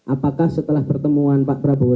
apakah setelah pertemuan pak prabowo